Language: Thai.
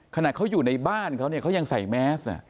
ขนาดเขาอยู่ในบ้านเขาเนี่ยเขายังใส่แมส